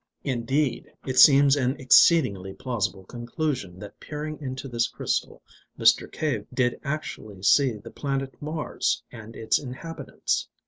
Indeed, it seems an exceedingly plausible conclusion that peering into this crystal Mr. Cave did actually see the planet Mars and its inhabitants.